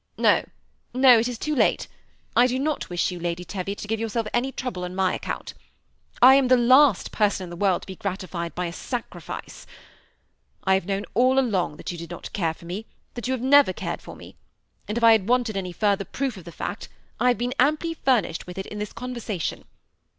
'^ No, no, it is too late. I do not wish you. Lady Teviot, to give yourself any trouble on my account I am the last person in the world to be gratified by a sclc rifice, I have known all along, that you did not care for me ; that you never have cared for me, and if I had wanted any further proof of the fact, I have been amply furnished with it in this conversation.